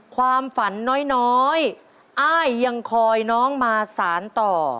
ความฝันน้อยอ้ายยังคอยน้องมาสารต่อ